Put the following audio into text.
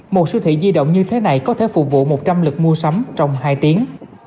một siêu thị di động như thế này có thể phục vụ một trăm linh lực mua sắm trong hai tiếng